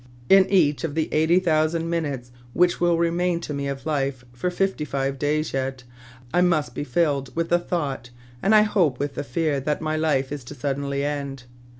In each of the eighty thousand min utes which will remain to me of life for fifty five days yet, I must be filled with the thought, and I hope with the fear, that my life is to suddenly end.